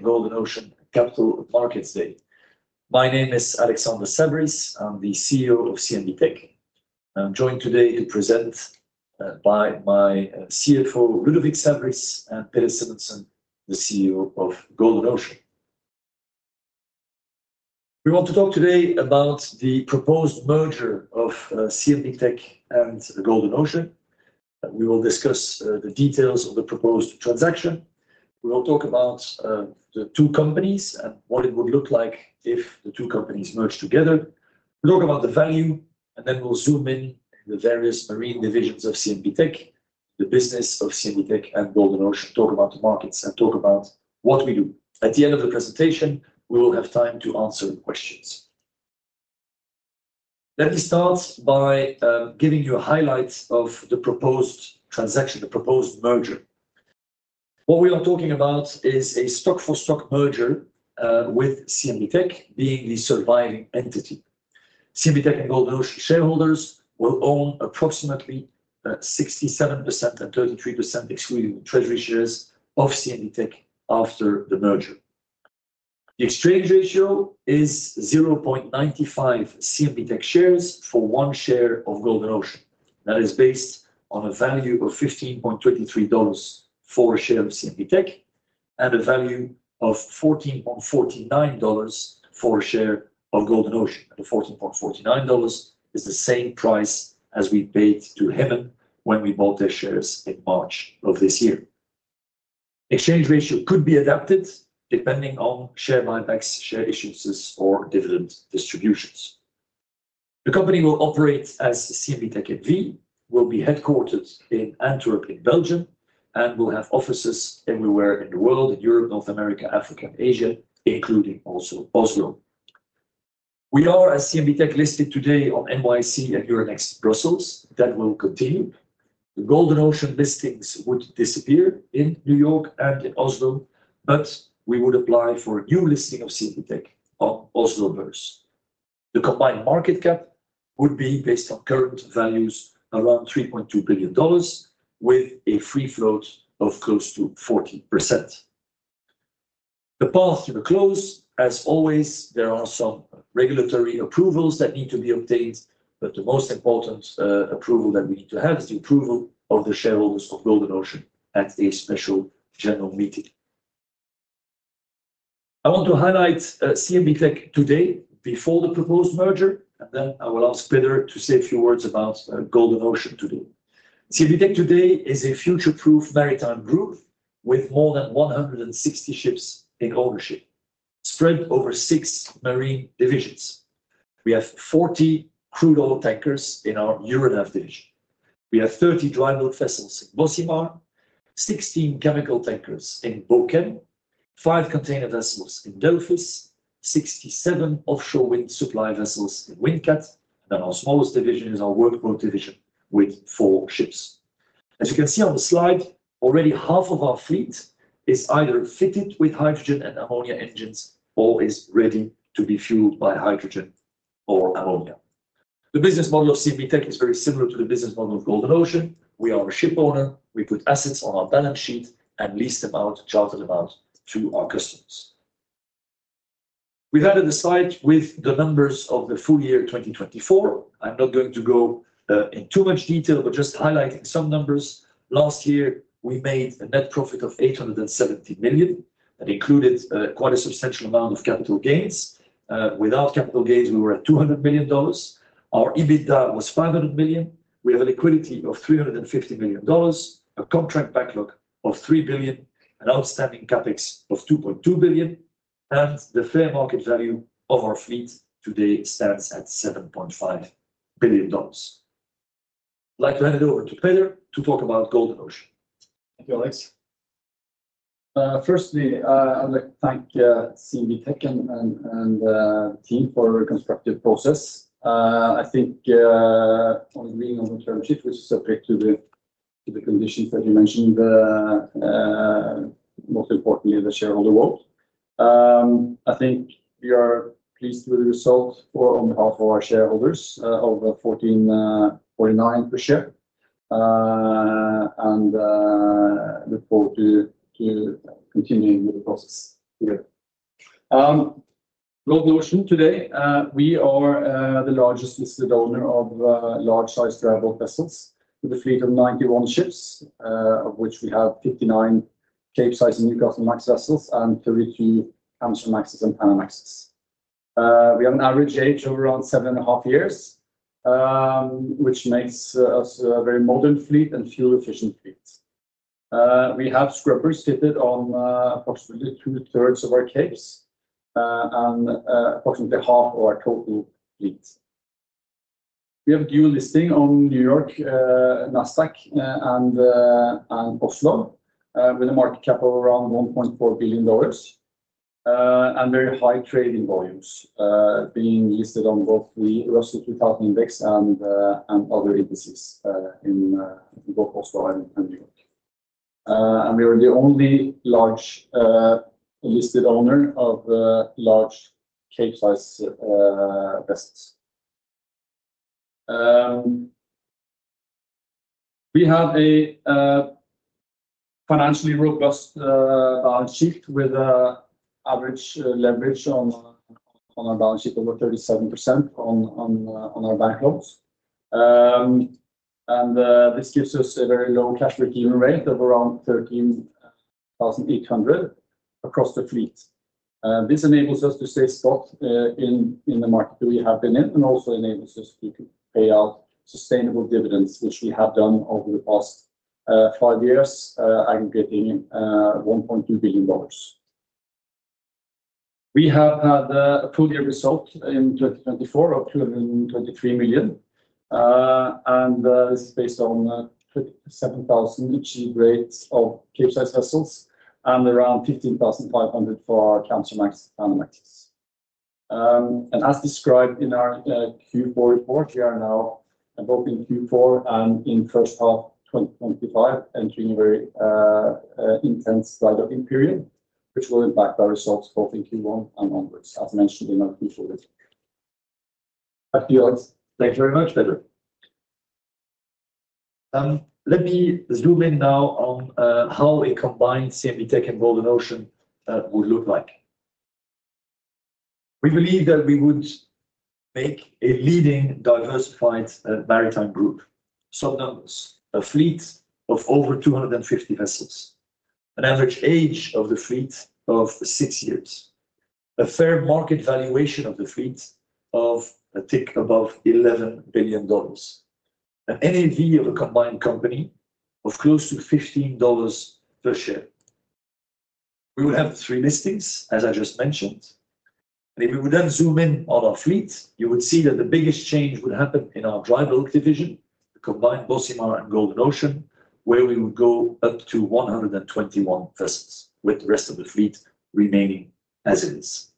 In Golden Ocean, capital of markets today. My name is Alexander Saverys. I'm the CEO of CMB.TECH. I'm joined today to present by my CFO, Ludovic Saverys, and Peder Simonsen (CFO), the CEO of Golden Ocean.CMB.TECH wants to talk today about the proposed merger of CMB.TECH and Golden Ocean. CMB.TECH will discuss the details of the proposed transaction. We will talk about the two companies and what it would look like if the two companies merged together. We'll talk about the value, and then we'll zoom in the various marine divisions of CMB.TECH, the business of CMB.TECH and Golden Ocean, talk about the markets, and talk about what we do. At the end of the presentation, we will have time to answer questions. Let me start by giving you a highlight of the proposed transaction, the proposed merger. What we are talking about is a stock-for-stock merger with CMB.TECH being the surviving entity. CMB.TECH and Golden Ocean shareholders will own approximately 67% and 33% excluding treasury shares of CMB.TECH after the merger. The exchange ratio is 0.95 CMB.TECH shares for one share of Golden Ocean. That is based on a value of $15.23 for a share of CMB.TECH and a value of $14.49 for a share of Golden Ocean. The $14.49 is the same price as we paid to Hemen Holding when we bought their shares in March of this year. The exchange ratio could be adapted depending on share buybacks, share issuances, or dividend distributions. The company will operate as CMB.TECH NV, will be headquartered in Antwerp in Belgium, and will have offices everywhere in the world: Europe, North America, Africa, and Asia, including also Oslo. CMB.TECH is listed today on the NYSE and Euronext Brussels. That will continue. The Golden Ocean listings would disappear in New York and in Oslo, but we would apply for a new listing of CMB.TECH on Oslo Børs. The combined market cap would be based on current values around $3.2 billion, with a free float of close to 40%. The path to the close, as always, there are some regulatory approvals that need to be obtained, but the most important approval that we need to have is the approval of the shareholders of Golden Ocean at a special general meeting. I want to highlight CMB.TECH today before the proposed merger, and then I will ask Peder to say a few words about Golden Ocean today. CMB.TECH today is a future-proof maritime group with more than 160 ships in ownership, spread over six marine divisions. We have 40 crude oil tankers in our Euronav division. We have 30 dry bulk vessels in Bocimar, 16 chemical tankers in Bochem, five container vessels in Delphis, 67 offshore wind supply vessels in Windcat, and our smallest division is our workboat division with four ships. As you can see on the slide, already half of our fleet is either fitted with hydrogen and ammonia engines or is ready to be fueled by hydrogen or ammonia. The business model of CMB.TECH is very similar to the business model of Golden Ocean. CMB.TECH is a shipowner. CMB.TECH puts assets on its balance sheet and lease them out, charter them out to our customers. We've added a slide with the numbers of the full year 2024. I'm not going to go in too much detail, but just highlighting some numbers. Last year, CMB.TECH made a net profit of $870 million. That included quite a substantial amount of capital gains. Without capital gains, we were at $200 million. Our EBITDA was $500 million. We have a liquidity of $350 million, a contract backlog of $3 billion, an outstanding capex of $2.2 billion, and the fair market value of our fleet today stands at $7.5 billion. I'd like to hand it over to Peder to talk about Golden Ocean. Thank you, Alex. Firstly, I'd like to thank CMB.TECH and the team for a constructive process. I think, on being on the term sheet, which is subject to the conditions that you mentioned, most importantly, the shareholder vote. I think we are pleased with the result for on behalf of our shareholders of $14.49 per share and look forward to continuing with the process together. Golden Ocean is the largest listed owner of large-sized dry bulk vessels with a fleet of 91 ships, of which we have 59 Capesize and Newcastlemax vessels and 32 Kamsarmaxes and Panamaxes. We have an average age of around seven and a half years, which makes us a very modern fleet and fuel-efficient fleet. We have scrubbers fitted on approximately two-thirds of our Capes and approximately half of our total fleet. We have a dual listing on New York, NASDAQ, and Oslo with a market cap of around $1.4 billion and very high trading volumes, being listed on both the Russell 2000 index and other indices in both Oslo and New York. We are the only large listed owner of large capesize vessels. We have a financially robust balance sheet with an average leverage on our balance sheet of over 37% on our bank loans. This gives us a very low cash requirement rate of around $13,800 across the fleet. This enables us to stay spot in the market that we have been in and also enables us to pay out sustainable dividends, which we have done over the past five years, aggregating $1.2 billion. We have had a full year result in 2024 of $223 million. This is based on $7,000 cape rates of Capesize vessels and around $15,500 for our Kamsarmax Panamaxes. As described in our Q4 report, we are now both in Q4 and in the first half of 2025, entering a very intense cyclic period, which will impact our results both in Q1 and onwards, as mentioned in our Q4 report. Thank you very much, Peder. Let me zoom in now on how a combined CMB.TECH and Golden Ocean would look like. CMB.TECH believes that the combined company would make a leading diversified maritime group, some numbers, a fleet of over 250 vessels, an average age of the fleet of six years, a fair market valuation of the fleet of a tick above $11 billion, an NAV of a combined company of close to $15 per share. We would have three listings, as I just mentioned. If we would then zoom in on our fleet, you would see that the biggest change would happen in our dry bulk division, the combined Bocimar and Golden Ocean, where we would go up to 121 vessels with the rest of the fleet remaining as it is.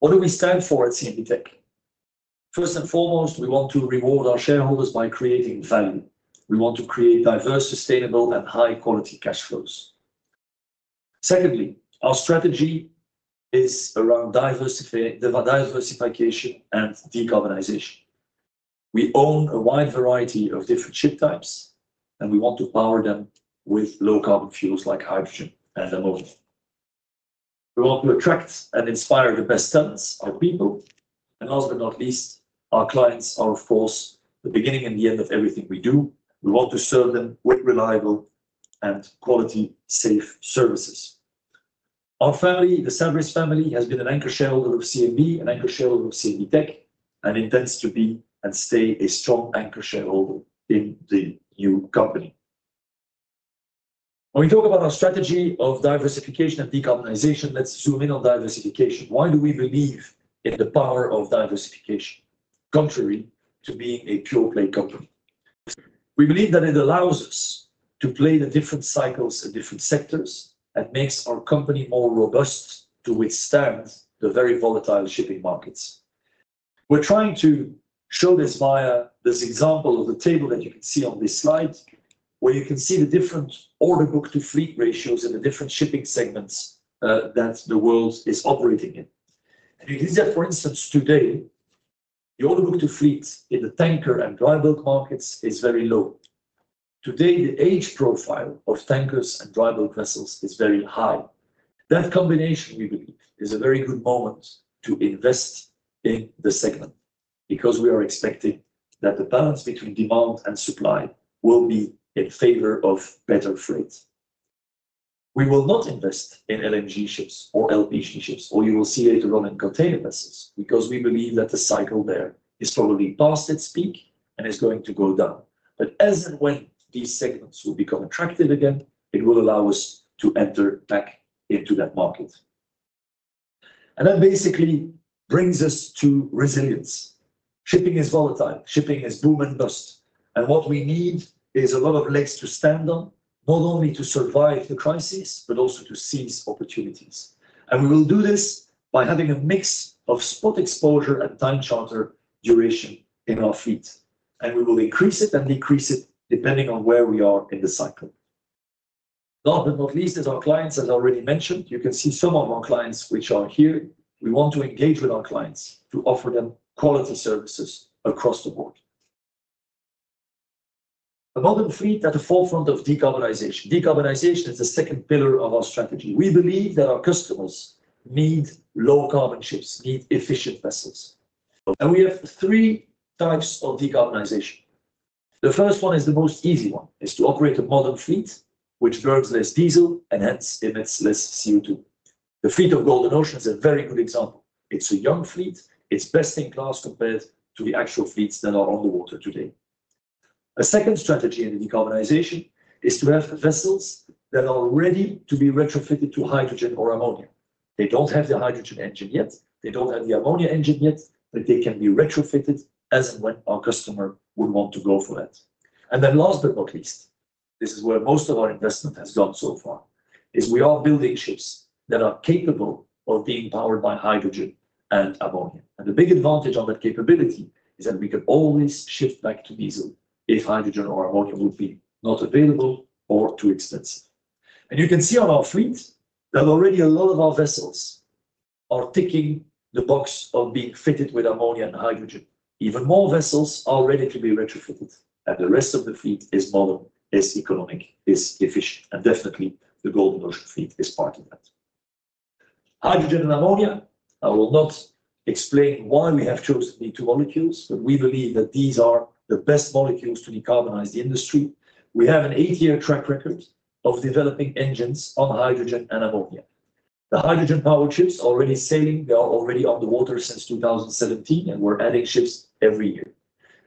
What do we stand for at CMB.TECH? First and foremost, CMB.TECH wants to reward its shareholders by creating value. We want to create diverse, sustainable, and high-quality cash flows. Secondly, our strategy is around diversification and decarbonization. We own a wide variety of different ship types, and we want to power them with low-carbon fuels like hydrogen and ammonia. We want to attract and inspire the best talents, our people. Last but not least, our clients are, of course, the beginning and the end of everything we do. We want to serve them with reliable and quality-safe services. Our family, the Saverys family, has been an anchor shareholder of CMB.TECH, an anchor shareholder of CMB.TECH, and intends to be and stay a strong anchor shareholder in the new company. When we talk about our strategy of diversification and decarbonization, let's zoom in on diversification. Why do we believe in the power of diversification, contrary to being a pure-play company? We believe that it allows us to play the different cycles in different sectors and makes our company more robust to withstand the very volatile shipping markets. We're trying to show this via this example of the table that you can see on this slide, where you can see the different order book to fleet ratios in the different shipping segments that the world is operating in. You can see that, for instance, today, the order book to fleet in the tanker and dry bulk markets is very low. Today, the age profile of tankers and dry bulk vessels is very high. That combination, we believe, is a very good moment to invest in the segment because we are expecting that the balance between demand and supply will be in favor of better freight. We will not invest in LNG ships or LPG ships, or you will see later on in container vessels because we believe that the cycle there is probably past its peak and is going to go down. As and when these segments will become attractive again, it will allow us to enter back into that market. That basically brings us to resilience. Shipping is volatile. Shipping is boom and bust. What we need is a lot of legs to stand on, not only to survive the crisis, but also to seize opportunities. We will do this by having a mix of spot exposure and time charter duration in our fleet. We will increase it and decrease it depending on where we are in the cycle. Last but not least, as our clients have already mentioned, you can see some of our clients which are here. We want to engage with our clients to offer them quality services across the board. A modern fleet at the forefront of decarbonization. Decarbonization is the second pillar of our strategy. CMB.TECH believes that its customers need low-carbon ships, need efficient vessels. We have three types of decarbonization. The first one is the most easy one, is to operate a modern fleet which burns less diesel and hence emits less CO2. The fleet of Golden Ocean is a very good example. It's a young fleet. It's best in class compared to the actual fleets that are on the water today. A second strategy in the decarbonization is to have vessels that are ready to be retrofitted to hydrogen or ammonia. They don't have the hydrogen engine yet. They don't have the ammonia engine yet, but they can be retrofitted as and when our customer would want to go for that. Last but not least, this is where most of our investment has gone so far, we are building ships that are capable of being powered by hydrogen and ammonia. The big advantage on that capability is that we could always shift back to diesel if hydrogen or ammonia would be not available or too expensive. You can see on our fleet that already a lot of our vessels are ticking the box of being fitted with ammonia and hydrogen. Even more vessels are ready to be retrofitted. The rest of the fleet is modern, is economic, is efficient. Definitely, the Golden Ocean fleet is part of that. Hydrogen and ammonia, I will not explain why we have chosen the two molecules, but we believe that these are the best molecules to decarbonize the industry. We have an eight-year track record of developing engines on hydrogen and ammonia. The hydrogen-powered ships are already sailing. They are already on the water since 2017, and we're adding ships every year.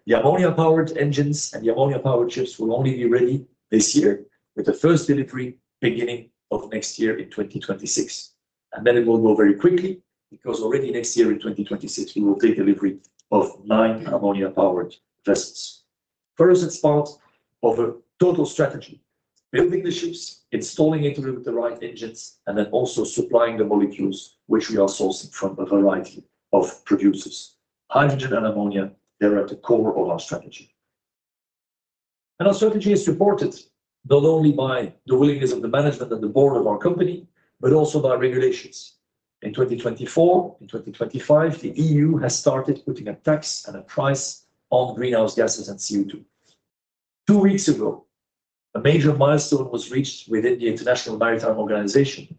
The ammonia-powered engines and the ammonia-powered ships will only be ready this year, with the first delivery beginning of next year in 2026. It will go very quickly because already next year in 2026, we will take delivery of nine ammonia-powered vessels. First, it's part of a total strategy, building the ships, installing it with the right engines, and then also supplying the molecules which we are sourcing from a variety of producers. Hydrogen and ammonia, they're at the core of our strategy. Our strategy is supported not only by the willingness of the management and the board of our company, but also by regulations. In 2024, in 2025, the EU has started putting a tax and a price on greenhouse gases and CO2. Two weeks ago, a major milestone was reached within the International Maritime Organization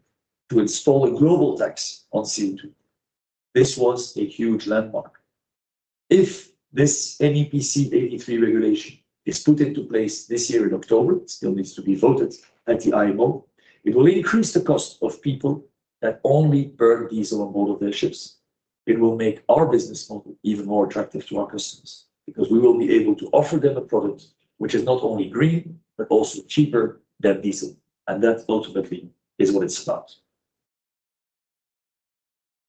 to install a global tax on CO2. This was a huge landmark. If this MEPC 83 regulation is put into place this year in October, it still needs to be voted at the IMO, it will increase the cost of people that only burn diesel on board of their ships. It will make our business model even more attractive to our customers because we will be able to offer them a product which is not only green, but also cheaper than diesel. That ultimately is what it's about.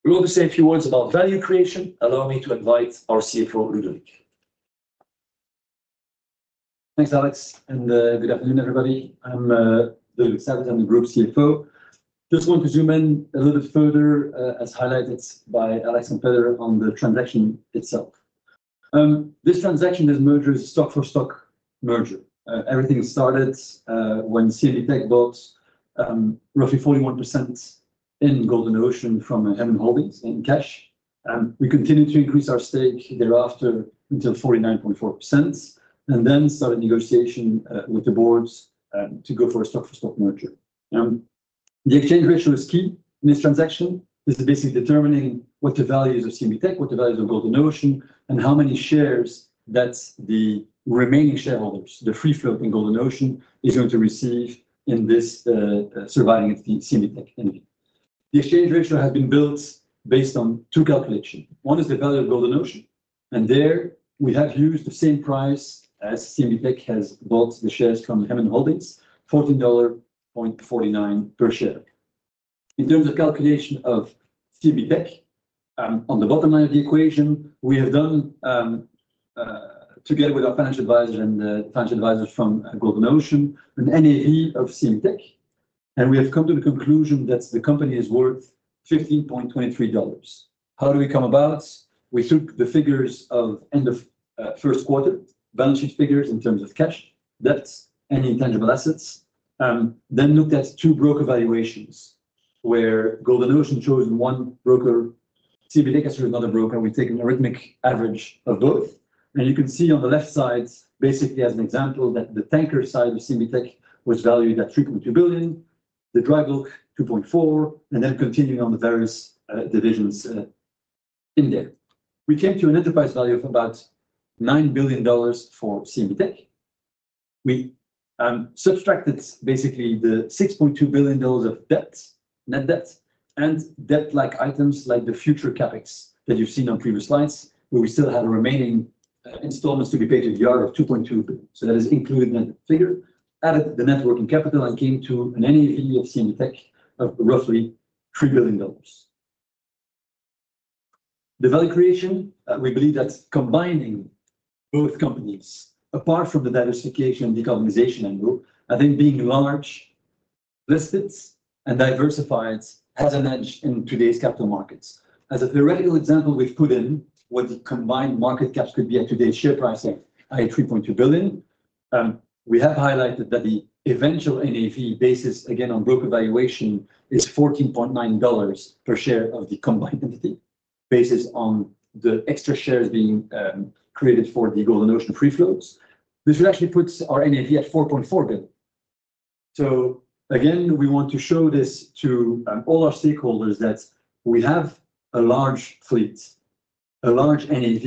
We want to say a few words about value creation. Allow me to invite our CFO, Ludovic. Thanks, Alex. Good afternoon, everybody. I'm Ludovic Saverys, I'm the Group CFO. Just want to zoom in a little bit further, as highlighted by Alex and Peder on the transaction itself. This transaction is a merger, stock-for-stock merger. Everything started when CMB.TECH bought roughly 41% in Golden Ocean from Hemen Holding in cash. We continued to increase our stake thereafter until 49.4%, and then started negotiation with the board to go for a stock-for-stock merger. The exchange ratio is key in this transaction. This is basically determining what the values of CMB.TECH, what the values of Golden Ocean, and how many shares that the remaining shareholders, the free float in Golden Ocean, is going to receive in this surviving CMB.TECH entity. The exchange ratio has been built based on two calculations. One is the value of Golden Ocean, and there we have used the same price as CMB.TECH has bought the shares from Hemen Holding, $14.49 per share. In terms of calculation of CMB.TECH, on the bottom line of the equation, we have done, together with our financial advisors and the financial advisors from Golden Ocean, an NAV of CMB.TECH, and we have come to the conclusion that the company is worth $15.23. How do we come about? We took the figures of end of Q1, balance sheet figures in terms of cash, debt, and intangible assets, then looked at two broker valuations where Golden Ocean chose one broker, CMB.TECH has chosen another broker. We take an arithmetic average of both. You can see on the left side, basically as an example, that the tanker side of CMB.TECH was valued at $3.2 billion, the dry bulk $2.4 billion, and then continuing on the various divisions in there. We came to an enterprise value of about $9 billion for CMB.TECH. We subtracted basically the $6.2 billion of debt, net debt, and debt-like items like the future CapEx that you have seen on previous slides, where we still had remaining installments to be paid to the yard of $2.2 billion. That is included in that figure, added the net working capital, and came to an NAV of CMB.TECH of roughly $3 billion. The value creation, we believe that combining both companies, apart from the diversification and decarbonization angle, I think being large listed and diversified has an edge in today's capital markets. As a theoretical example, we've put in what the combined market caps could be at today's share price at $3.2 billion. We have highlighted that the eventual NAV, based again on broker valuation, is $14.9 per share of the combined entity, based on the extra shares being created for the Golden Ocean free floats. This would actually put our NAV at $4.4 billion. We want to show this to all our stakeholders that we have a large fleet, a large NAV,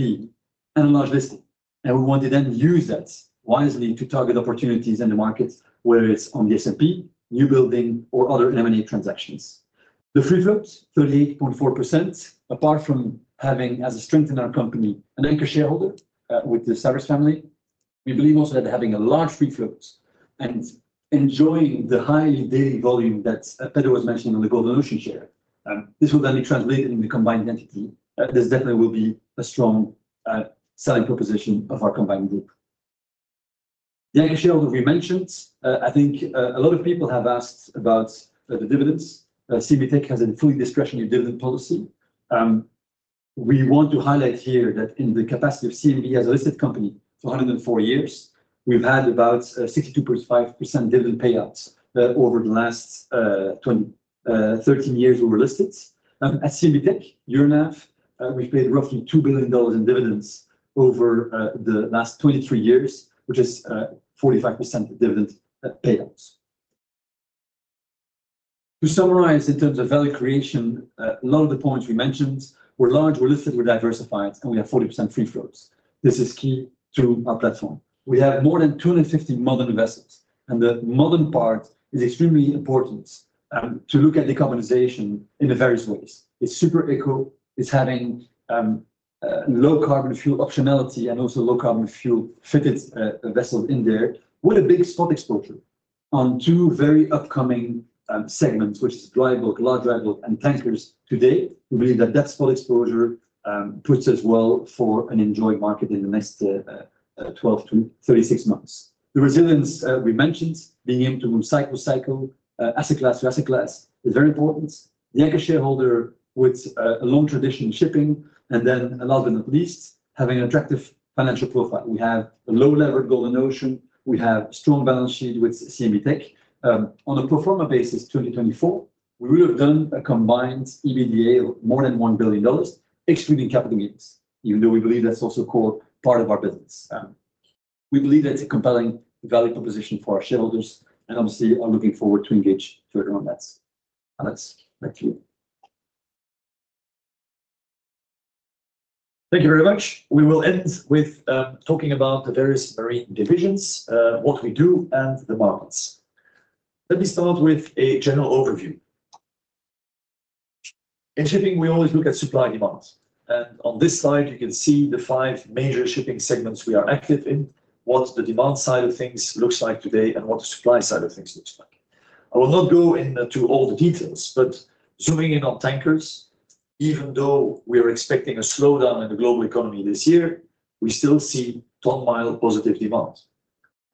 and a large listing, and we want to then use that wisely to target opportunities in the market, whether it's on the S&P, new building, or other M&A transactions. The free float, 38.4%, apart from having as a strength in our company an anchor shareholder with the Saverys family, we believe also that having a large free float and enjoying the high daily volume that Peder was mentioning on the Golden Ocean share, this will then be translated in the combined entity. This definitely will be a strong selling proposition of our combined group. The anchor shareholder we mentioned, I think a lot of people have asked about the dividends. CMB.TECH has a fully discretionary dividend policy. We want to highlight here that in the capacity of CMB.TECH as a listed company for 104 years, we've had about 62.5% dividend payouts over the last 13 years we were listed. At CMB.TECH, year and a half, we've paid roughly $2 billion in dividends over the last 23 years, which is 45% dividend payouts. To summarize in terms of value creation, a lot of the points we mentioned, we're large, we're listed, we're diversified, and we have 40% free floats. This is key to our platform. We have more than 250 modern vessels, and the modern part is extremely important to look at decarbonization in the various ways. It's super eco, it's having low carbon fuel optionality and also low carbon fuel-fitted vessels in there. What a big spot exposure on two very upcoming segments, which are dry bulk, large dry bulk, and tankers today. We believe that that spot exposure puts us well for an enjoyed market in the next 12-36 months. The resilience we mentioned, being able to cycle cycle, asset class to asset class, is very important. The anchor shareholder with a long tradition in shipping, and then last but not least, having an attractive financial profile. We have a low-level Golden Ocean. We have a strong balance sheet with CMB.TECH. On a pro forma basis, 2024, we would have done a combined EBITDA of more than $1 billion, excluding capital gains, even though we believe that's also a core part of our business. We believe that's a compelling value proposition for our shareholders, and obviously, are looking forward to engage further on that. Alex, back to you. Thank you very much. We will end with talking about the various marine divisions, what we do, and the markets. Let me start with a general overview. In shipping, we always look at supply demand. On this slide, you can see the five major shipping segments we are active in, what the demand side of things looks like today, and what the supply side of things looks like. I will not go into all the details, but zooming in on tankers, even though we are expecting a slowdown in the global economy this year, we still see ton-mile positive demand.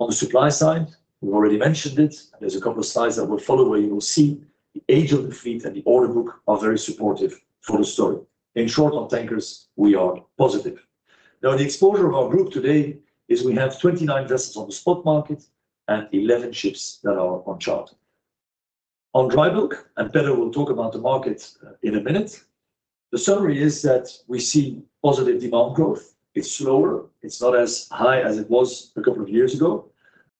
On the supply side, we've already mentioned it. There are a couple of slides that will follow where you will see the age of the fleet and the order book are very supportive for the story. In short, on tankers, we are positive. Now, the exposure of our group today is we have 29 vessels on the spot market and 11 ships that are on charter. On dry bulk, and Peder will talk about the market in a minute. The summary is that we see positive demand growth. It's slower. It's not as high as it was a couple of years ago,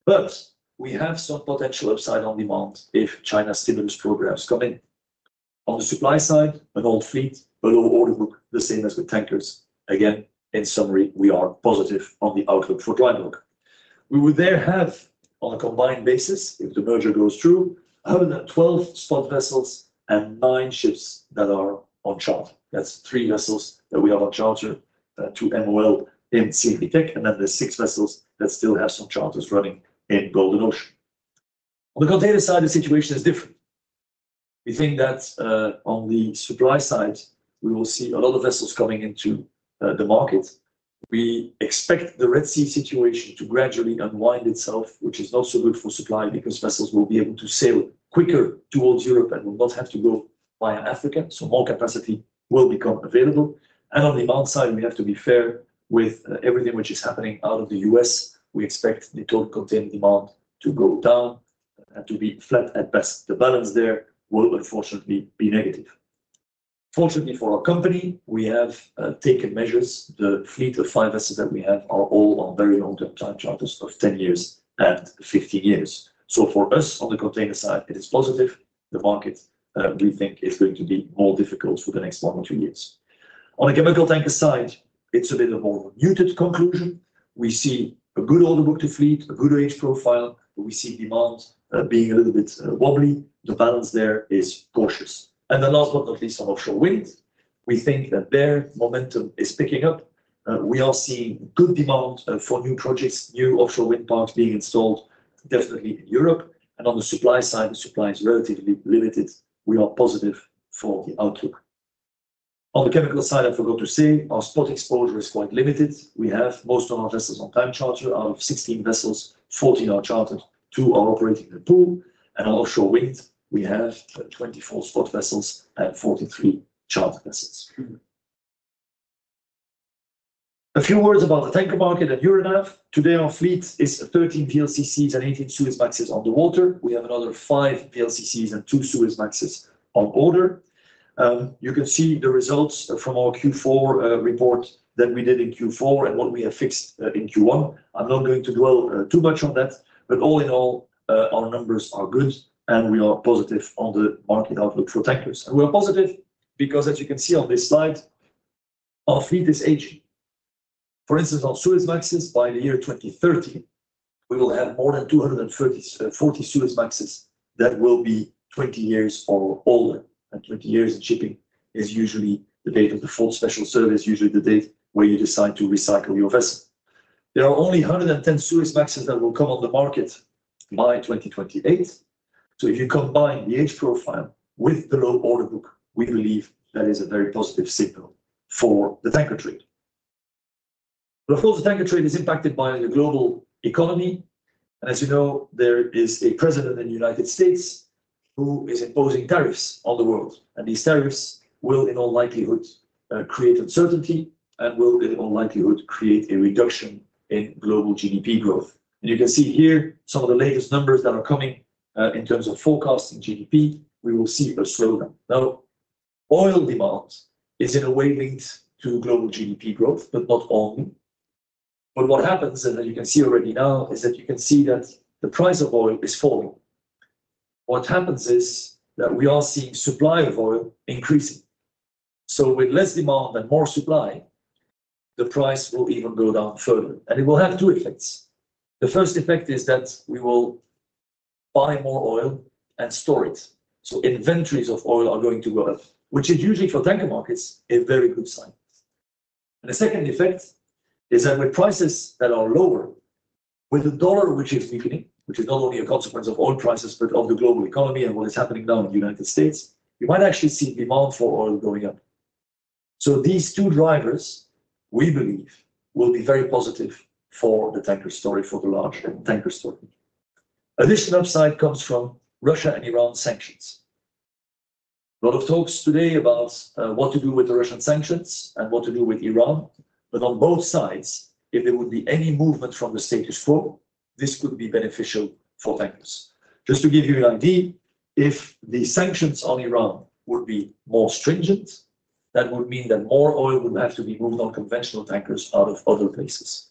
but we have some potential upside on demand if China's stimulus programs come in. On the supply side, an old fleet, a low order book, the same as with tankers. Again, in summary, we are positive on the outlook for dry bulk. We would there have, on a combined basis, if the merger goes through, 112 spot vessels and nine ships that are on charter. That's three vessels that we have on charter to MOL in CMB.TECH, and then the six vessels that still have some charters running in Golden Ocean. On the container side, the situation is different. We think that on the supply side, we will see a lot of vessels coming into the market. We expect the Red Sea situation to gradually unwind itself, which is not so good for supply because vessels will be able to sail quicker towards Europe and will not have to go via Africa, so more capacity will become available. On the demand side, we have to be fair with everything which is happening out of the U.S. We expect the total container demand to go down and to be flat at best. The balance there will unfortunately be negative. Fortunately for our company, we have taken measures. The fleet of five vessels that we have are all on very long-term time charters of 10 years and 15 years. For us, on the container side, it is positive. The market, we think, is going to be more difficult for the next one or two years. On the chemical tanker side, it is a bit of a more muted conclusion. We see a good order book to fleet, a good age profile, but we see demand being a little bit wobbly. The balance there is cautious. Last but not least, on offshore wind, we think that their momentum is picking up. We are seeing good demand for new projects, new offshore wind parks being installed, definitely in Europe. On the supply side, the supply is relatively limited. We are positive for the outlook. On the chemical side, I forgot to say, our spot exposure is quite limited. We have most of our vessels on time charter. Out of 16 vessels, 14 are chartered, 2 are operating in the pool, and on offshore wind, we have 24 spot vessels and 43 chartered vessels. A few words about the tanker market and Euronav. Today, our fleet is 13 VLCCs and 18 Suezmaxes on the water. We have another 5 VLCCs and 2 Suezmaxes on order. You can see the results from our Q4 report that we did in Q4 and what we have fixed in Q1. I'm not going to dwell too much on that, but all in all, our numbers are good and we are positive on the market outlook for tankers. We are positive because, as you can see on this slide, our fleet is aging. For instance, on Suezmaxes, by the year 2030, we will have more than 240 Suezmaxes that will be 20 years or older. Twenty years in shipping is usually the date of the full special service, usually the date where you decide to recycle your vessel. There are only 110 Suezmaxes that will come on the market by 2028. If you combine the age profile with the low order book, we believe that is a very positive signal for the tanker trade. Of course, the tanker trade is impacted by the global economy. As you know, there is a president in the United States who is imposing tariffs on the world. These tariffs will, in all likelihood, create uncertainty and will, in all likelihood, create a reduction in global GDP growth. You can see here some of the latest numbers that are coming in terms of forecasting GDP, we will see a slowdown. Now, oil demand is in a way linked to global GDP growth, but not only. What happens, as you can see already now, is that you can see that the price of oil is falling. What happens is that we are seeing supply of oil increasing. With less demand and more supply, the price will even go down further. It will have two effects. The first effect is that we will buy more oil and store it. Inventories of oil are going to grow, which is usually for tanker markets a very good sign. The second effect is that with prices that are lower, with the dollar which is weakening, which is not only a consequence of oil prices, but of the global economy and what is happening now in the United States, you might actually see demand for oil going up. These two drivers, we believe, will be very positive for the tanker story, for the large tanker story. Additional upside comes from Russia and Iran sanctions. A lot of talks today about what to do with the Russian sanctions and what to do with Iran. On both sides, if there would be any movement from the status quo, this could be beneficial for tankers. Just to give you an idea, if the sanctions on Iran would be more stringent, that would mean that more oil would have to be moved on conventional tankers out of other places.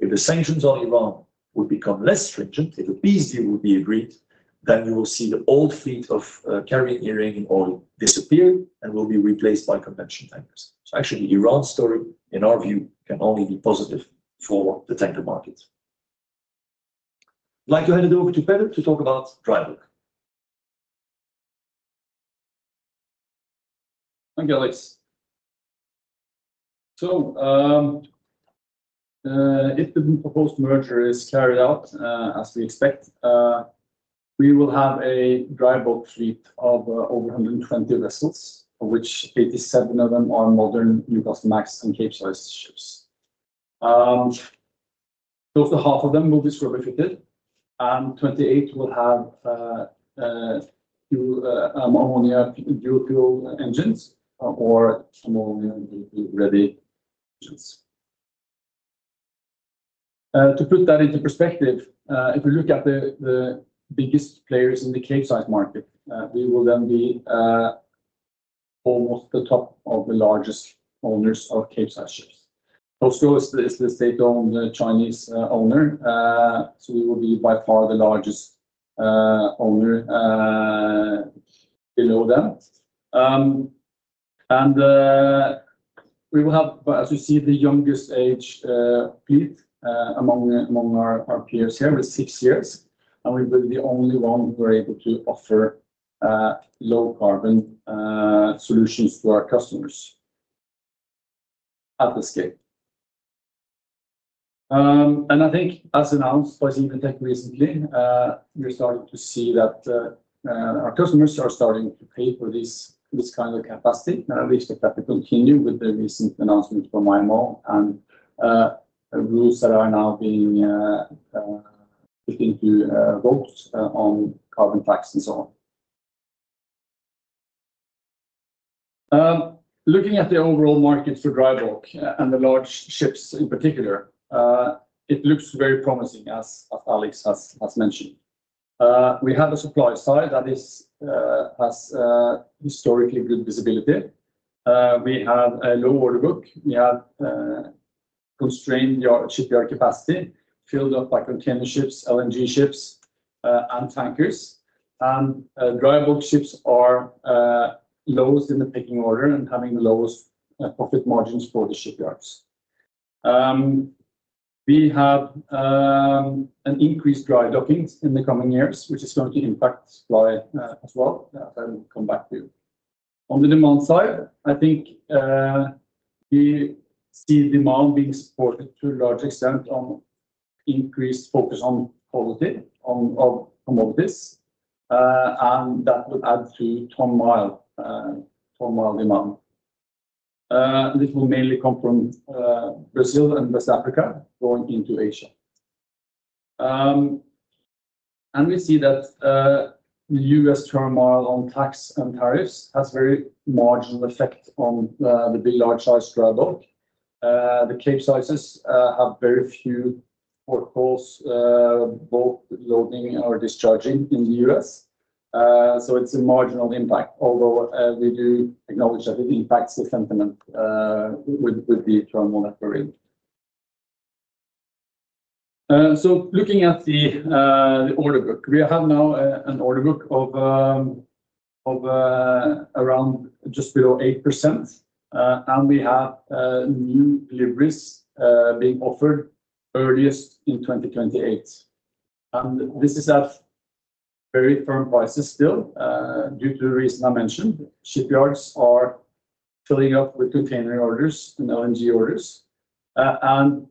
If the sanctions on Iran would become less stringent, if a peace deal would be agreed, then we will see the old fleet of carrying Iranian oil disappear and will be replaced by conventional tankers. Actually, Iran's story, in our view, can only be positive for the tanker market. I'd like to hand it over to Peder to talk about dry bulk. Thank you, Alex. If the proposed merger is carried out as we expect, we will have a dry bulk fleet of over 120 vessels, of which 87 of them are modern Newcastlemax and Capesize ships. Close to half of them will be scrubber-fitted, and 28 will have ammonia fuel engines or ammonia-ready engines. To put that into perspective, if we look at the biggest players in the Capesize market, we will then be almost the top of the largest owners of Capesize ships. COSCO is the state-owned Chinese owner, so we will be by far the largest owner below them. We will have, as you see, the youngest age fleet among our peers here. We are six years, and we will be the only one who are able to offer low-carbon solutions to our customers at the scale. I think, as announced by CMB.TECH recently, we are starting to see that our customers are starting to pay for this kind of capacity. We expect that to continue with the recent announcement from IMO and rules that are now being put into vote on carbon tax and so on. Looking at the overall market for dry bulk and the large ships in particular, it looks very promising, as Alex has mentioned. We have a supply side that has historically good visibility. We have a low order book. We have constrained shipyard capacity filled up by container ships, LNG ships, and tankers. Dry bulk ships are lowest in the picking order and having the lowest profit margins for the shipyards. We have an increased dry-docking in the coming years, which is going to impact supply as well. I'll come back to you. On the demand side, I think we see demand being supported to a large extent on increased focus on quality, on commodities, and that would add to ton-mile demand. This will mainly come from Brazil and West Africa going into Asia. We see that the U.S. turile on tax and tariffs has a very marginal effect on the big large-sized dry bulk. The Capesize vessels have very few port calls both loading or discharging in the U.S. It is a marginal impact, although we do acknowledge that it impacts the sentiment with the turmoil network. Looking at the order book, we have now an order book of around just below 8%, and we have new deliveries being offered earliest in 2028. This is at very firm prices still due to the reason I mentioned. Shipyards are filling up with container orders and LNG orders. The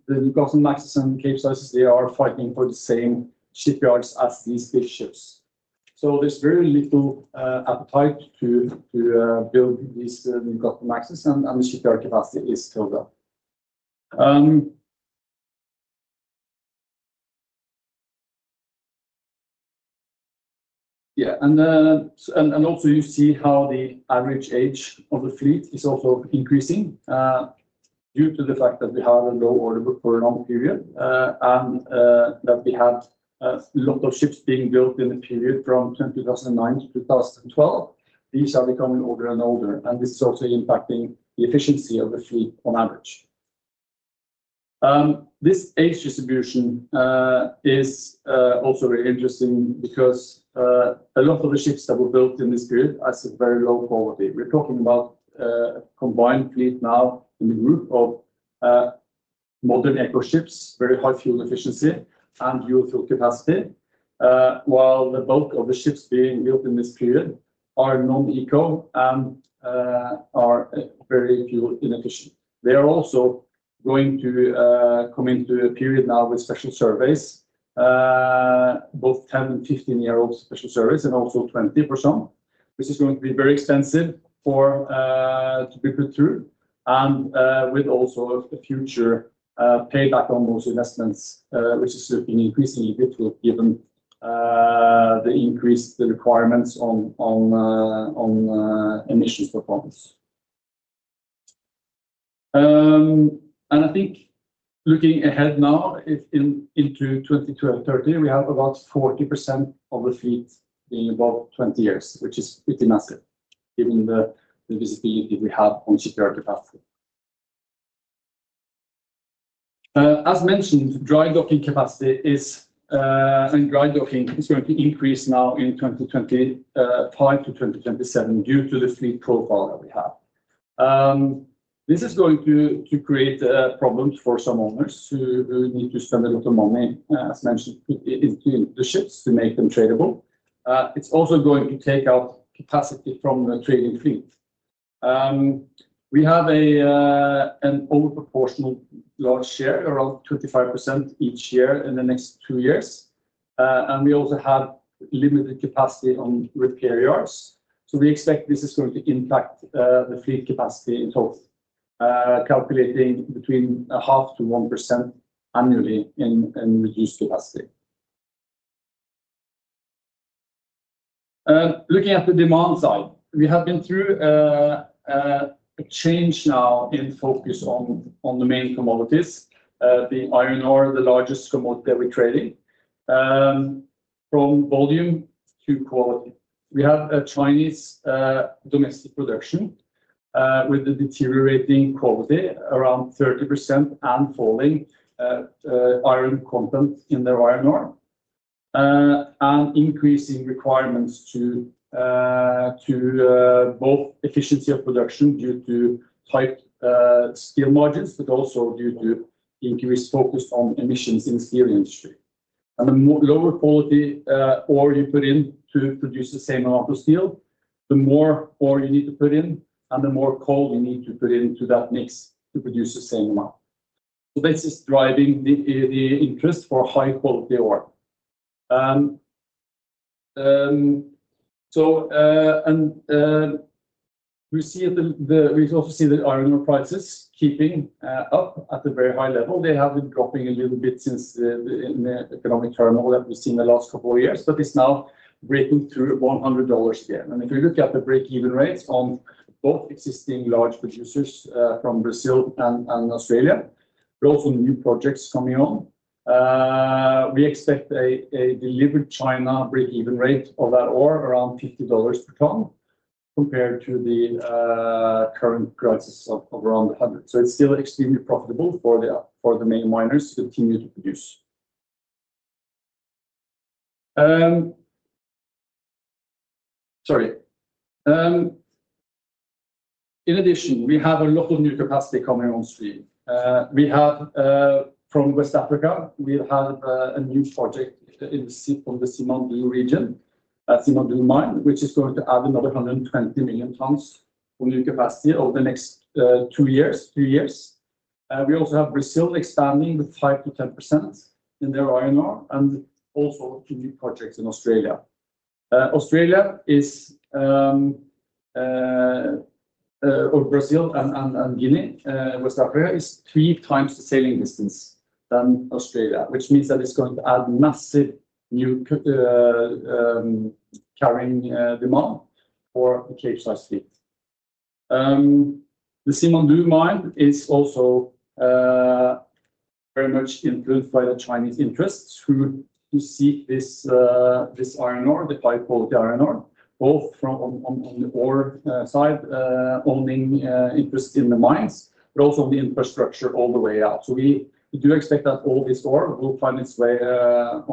Newcastlemax vessels and Capesize vessels, they are fighting for the same shipyards as these big ships. There is very little appetite to build these Newcastlemax vessels, and the shipyard capacity is still there. You see how the average age of the fleet is also increasing due to the fact that we have a low order book for a long period and that we have a lot of ships being built in the period from 2009 to 2012. These are becoming older and older, and this is also impacting the efficiency of the fleet on average. This age distribution is also very interesting because a lot of the ships that were built in this period are very low quality. We're talking about a combined fleet now in the group of modern ECO ships, very high fuel efficiency and fuel capacity, while the bulk of the ships being built in this period are non-ECO and are very fuel inefficient. They are also going to come into a period now with special surveys, both 10 and 15-year-old special surveys and also 20 for some, which is going to be very expensive to be put through and with also a future payback on those investments, which is looking increasingly difficult given the increased requirements on emissions performance. I think looking ahead now into 2020, we have about 40% of the fleet being above 20 years, which is pretty massive given the visibility we have on shipyard capacity. As mentioned, dry-docking capacity and dry-docking is going to increase now in 2025 to 2027 due to the fleet profile that we have. This is going to create problems for some owners who need to spend a lot of money, as mentioned, putting into the ships to make them tradable. It's also going to take out capacity from the trading fleet. We have an overproportional large share, around 25% each year in the next two years. We also have limited capacity on repair yards. We expect this is going to impact the fleet capacity in total, calculating between half to 1% annually in reduced capacity. Looking at the demand side, we have been through a change now in focus on the main commodities, the iron ore, the largest commodity that we're trading, from volume to quality. We have Chinese domestic production with the deteriorating quality, around 30% and falling iron content in their iron ore, and increasing requirements to both efficiency of production due to tight steel margins, but also due to increased focus on emissions in the steel industry. The lower quality ore you put in to produce the same amount of steel, the more ore you need to put in, and the more coal you need to put into that mix to produce the same amount. This is driving the interest for high-quality ore. We see that iron ore prices are keeping up at a very high level. They have been dropping a little bit since the economic turmoil that we have seen the last couple of years, but it is now breaking through $100 again. If we look at the break-even rates on both existing large producers from Brazil and Australia, but also new projects coming on, we expect a delivered China break-even rate of that ore around $50 per ton compared to the current prices of around $100. It is still extremely profitable for the main miners to continue to produce. Sorry. In addition, we have a lot of new capacity coming on stream. From West Africa, we've had a new project in the Simandou region, Simandou mine, which is going to add another 120 million tons of new capacity over the next two years. We also have Brazil expanding with 5-10% in their iron ore and also two new projects in Australia. Australia is, or Brazil and Guinea, West Africa is three times the sailing distance than Australia, which means that it's going to add massive new carrying demand for the Capesize fleet. The Simandou mine is also very much influenced by the Chinese interests who seek this iron ore, the high-quality iron ore, both on the ore side, owning interests in the mines, but also on the infrastructure all the way out. We do expect that all this ore will find its way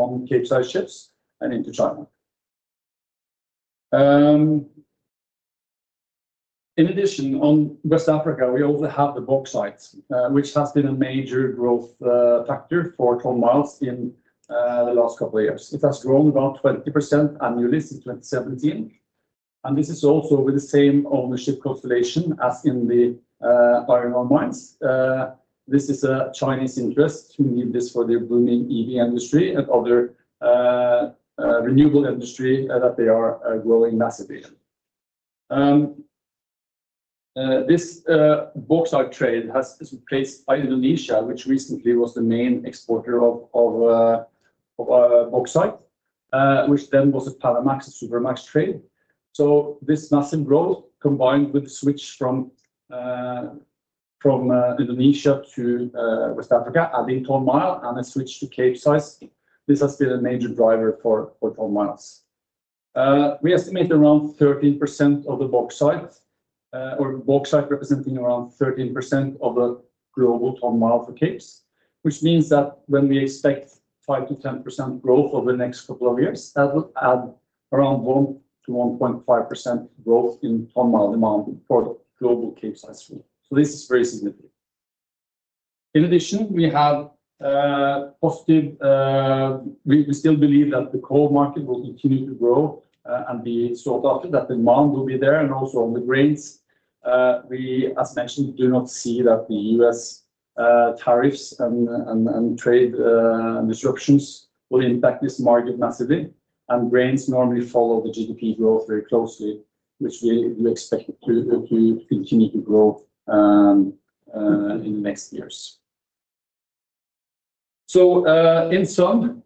on Capesize ships and into China. In addition, on West Africa, we also have the bauxite, which has been a major growth factor for ton miles in the last couple of years. It has grown about 20% annually since 2017. This is also with the same ownership constellation as in the iron ore mines. This is a Chinese interest. We need this for their booming EV industry and other renewable industry that they are growing massively. This bauxite trade has been replaced by Indonesia, which recently was the main exporter of bauxite, which then was a Panamax-Supramax trade. This massive growth, combined with the switch from Indonesia to West Africa, adding ton mile and a switch to Capesize, has been a major driver for ton miles. We estimate around 13% of the bauxite, or bauxite representing around 13% of the global ton mile for Capes, which means that when we expect 5-10% growth over the next couple of years, that will add around 1-1.5% growth in ton mile demand for the global Capesize fleet. This is very significant. In addition, we have positive, we still believe that the coal market will continue to grow and be sought after, that demand will be there. Also on the grains, we, as mentioned, do not see that the US tariffs and trade disruptions will impact this market massively. Grains normally follow the GDP growth very closely, which we expect to continue to grow in the next years. In sum,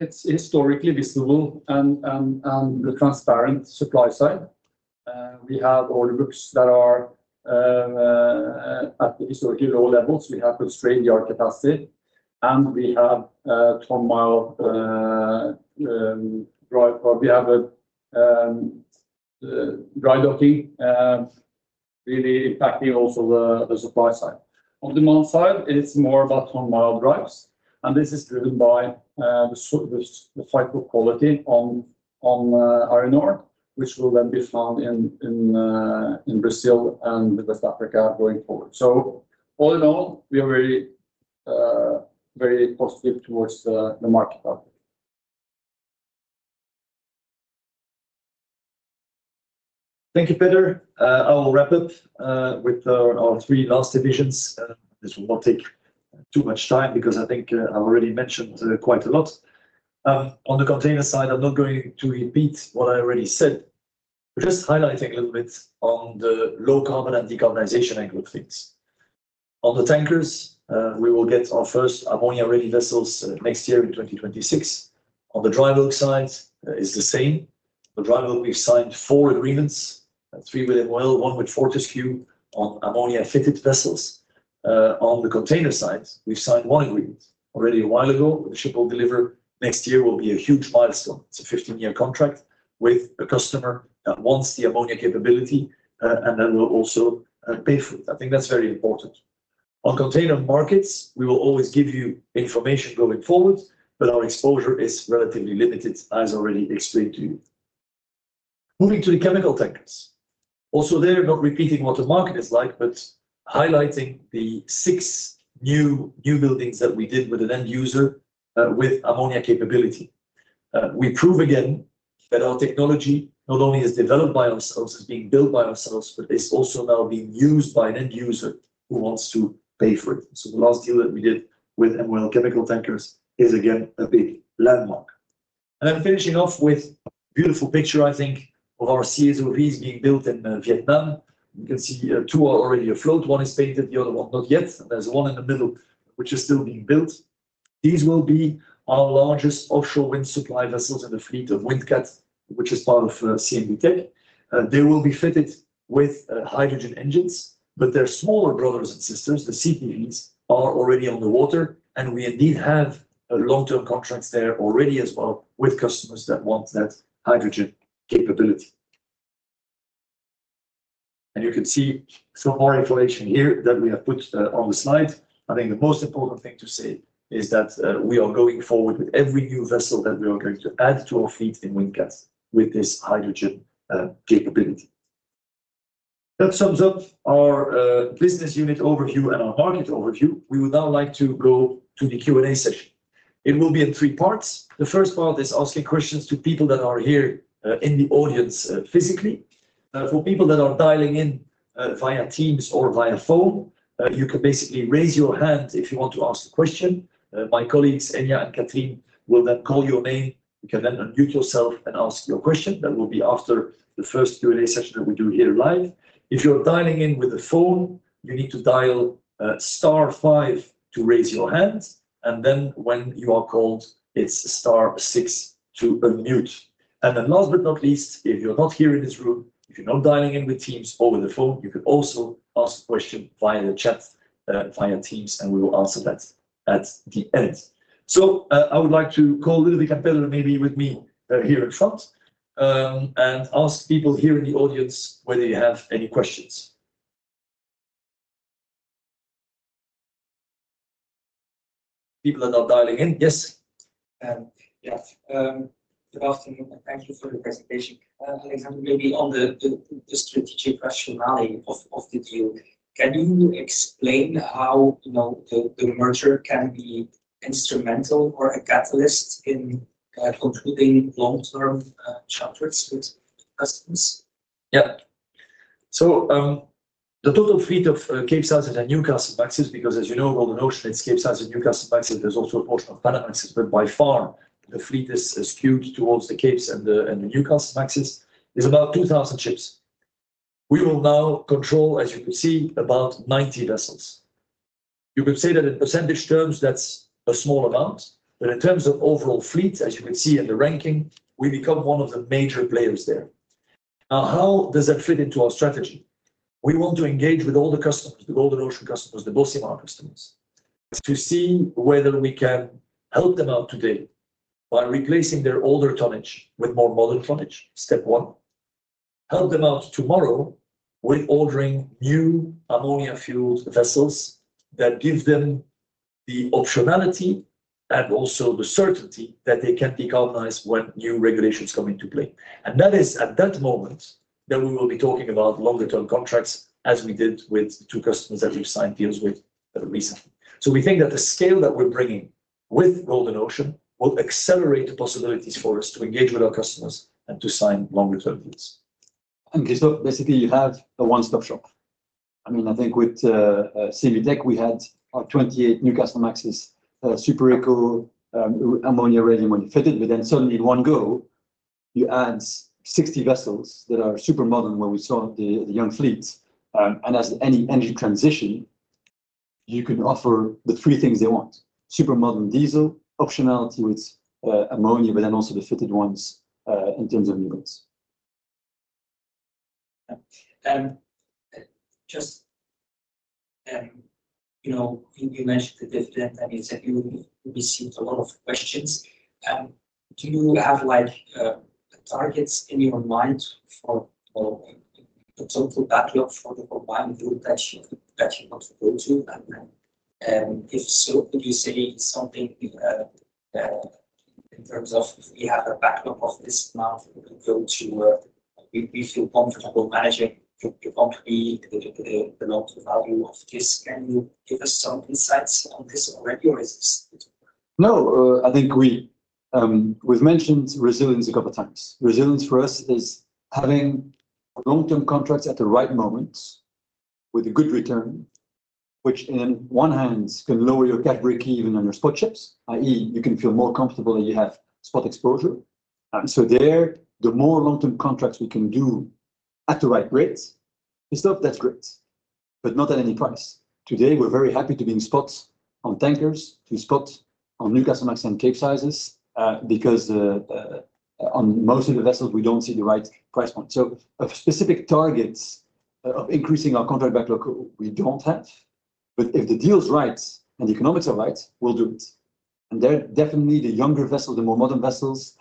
it is historically visible and the transparent supply side. We have order books that are at the historically low levels. We have the Australian yard capacity, and we have ton mile dry. We have dry-docking really impacting also the supply side. On demand side, it's more about ton mile drives, and this is driven by the fight for quality on iron ore, which will then be found in Brazil and West Africa going forward. All in all, we are very positive towards the market. Thank you, Peder. I will wrap up with our three last divisions. This will not take too much time because I think I've already mentioned quite a lot. On the container side, I'm not going to repeat what I already said. We're just highlighting a little bit on the low carbon and decarbonization angle of things. On the tankers, we will get our first ammonia-ready vessels next year in 2026. On the dry-bulk side, it's the same. On the dry bulk, we've signed four agreements, three with MOL, one with Fortescue on ammonia-fitted vessels. On the container side, we've signed one agreement already a while ago. The ship will deliver next year. It will be a huge milestone. It's a 15-year contract with a customer that wants the ammonia capability, and then will also pay for it. I think that's very important. On container markets, we will always give you information going forward, but our exposure is relatively limited, as already explained to you. Moving to the chemical tankers. Also there, not repeating what the market is like, but highlighting the six new buildings that we did with an end user with ammonia capability. We prove again that our technology not only is developed by ourselves, is being built by ourselves, but is also now being used by an end user who wants to pay for it. The last deal that we did with MOL chemical tankers is again a big landmark. I'm finishing off with a beautiful picture, I think, of our CSOVs being built in Vietnam. You can see two are already afloat. One is painted, the other one not yet. There is one in the middle which is still being built. These will be our largest offshore wind supply vessels in the fleet of WindCat, which is part of CMB.TECH. They will be fitted with hydrogen engines, but their smaller brothers and sisters, the CTVs, are already on the water, and we indeed have long-term contracts there already as well with customers that want that hydrogen capability. You can see some more information here that we have put on the slide. I think the most important thing to say is that we are going forward with every new vessel that we are going to add to our fleet in WindCat with this hydrogen capability. That sums up our business unit overview and our market overview. We would now like to go to the Q&A session. It will be in three parts. The first part is asking questions to people that are here in the audience physically. For people that are dialing in via Teams or via phone, you can basically raise your hand if you want to ask a question. My colleagues, Enya and katrien, will then call your name. You can then unmute yourself and ask your question. That will be after the first Q&A session that we do here live. If you're dialing in with a phone, you need to dial star five to raise your hand, and when you are called, it's star six to unmute. Last but not least, if you're not here in this room, if you're not dialing in with Teams or with a phone, you can also ask a question via the chat via Teams, and we will answer that at the end. I would like to call Ludovic and Peder, maybe with me here in front, and ask people here in the audience whether you have any questions. People that are dialing in, yes. Good afternoon and thank you for the presentation. Alexander, maybe on the strategic rationale of the deal, can you explain how the merger can be instrumental or a catalyst in concluding long-term chapters with customers? Yeah. The total fleet of Capesize and Newcastlemaxes, because as you know, all the notion is Capesize and Newcastlemaxes, there's also a portion of Panamaxes, but by far the fleet is skewed towards the Capes and the Newcastlemaxes. There's about 2,000 ships. We will now control, as you can see, about 90 vessels. You can say that in percentage terms, that's a small amount, but in terms of overall fleet, as you can see in the ranking, we become one of the major players there. Now, how does that fit into our strategy? We want to engage with all the customers, the Golden Ocean customers, the Bocimar customers, to see whether we can help them out today by replacing their older tonnage with more modern tonnage, step one. Help them out tomorrow with ordering new ammonia-fueled vessels that give them the optionality and also the certainty that they can decarbonize when new regulations come into play. That is at that moment that we will be talking about longer-term contracts as we did with the two customers that we've signed deals with recently. We think that the scale that we're bringing with Golden Ocean will accelerate the possibilities for us to engage with our customers and to sign longer-term deals. Basically, you have a one-stop shop. I mean, I think with CMB.TECH, we had our 28 new Kamsarmaxes, Super Eco, ammonia-ready, ammonia-fitted, but then suddenly in one go, you add 60 vessels that are super modern where we saw the young fleets. As any energy transition, you can offer the three things they want: super modern diesel, optionality with ammonia, but then also the fitted ones in terms of new ones. You mentioned the dividend, and you said you received a lot of questions. Do you have targets in your mind for the total backlog for the combined group that you want to go to? If so, could you say something in terms of, if we have a backlog of this amount, we feel comfortable managing the company, the long-term value of this? Can you give us some insights on this already, or is this? No, I think we've mentioned resilience a couple of times. Resilience for us is having long-term contracts at the right moment with a good return, which in one hand can lower your cap break-even on your spot ships, i.e., you can feel more comfortable that you have spot exposure. The more long-term contracts we can do at the right rates, it's stuff that's great, but not at any price. Today, we're very happy to be in spot on tankers, to spot on Newcastlemax and Capesize vessels because on most of the vessels, we don't see the right price point. Specific targets of increasing our contract backlog, we don't have, but if the deal's right and the economics are right, we'll do it. Definitely, the younger vessels, the more modern vessels,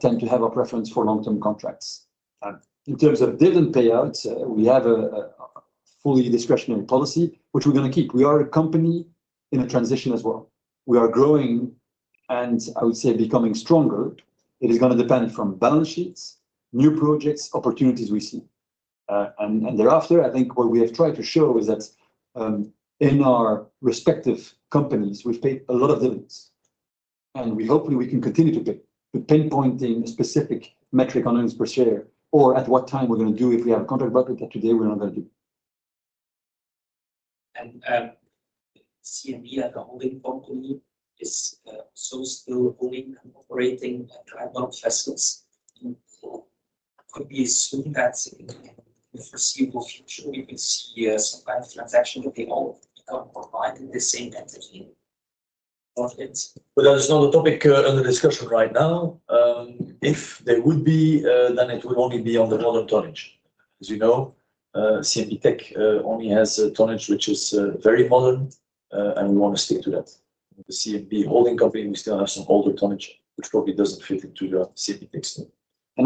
tend to have a preference for long-term contracts. In terms of dividend payouts, we have a fully discretionary policy, which we're going to keep. We are a company in a transition as well. We are growing and, I would say, becoming stronger. It is going to depend on balance sheets, new projects, opportunities we see. Thereafter, I think what we have tried to show is that in our respective companies, we've paid a lot of dividends, and hopefully, we can continue to pay. Pinpointing a specific metric on earnings per share or at what time we're going to do if we have a contract backlog that today we're not going to do. CMB.TECH, as the holding company, is also still holding and operating a number of vessels. Could we assume that in the foreseeable future, we will see some kind of transaction that they all become provided the same entity? That is not a topic under discussion right now. If there would be, then it would only be on the modern tonnage. As you know, CMB.TECH only has tonnage, which is very modern, and we want to stick to that. The CMB holding company, we still have some older tonnage, which probably does not fit into the CMB.TECH deal.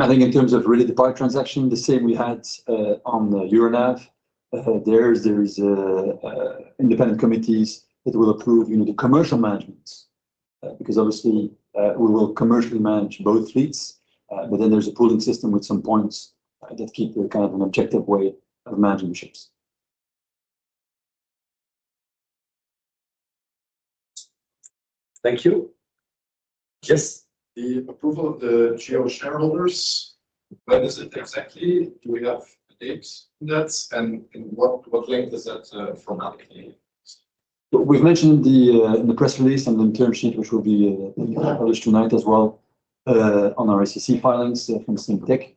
I think in terms of really the PIPE transaction, the same we had on Euronav. There are independent committees that will approve the commercial management because obviously, we will commercially manage both fleets, but then there is a pooling system with some points that keep kind of an objective way of managing the ships. Thank you. Yes. The approval of the GO shareholders, when is it exactly? Do we have a date on that? What length is that from now? We've mentioned in the press release and the term sheet, which will be published tonight as well on our SEC filings from CMB.TECH,